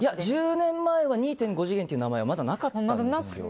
１０年前は２．５次元という名前はまだなかったんですよ。